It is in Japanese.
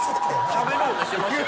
しゃべろうとしてますよね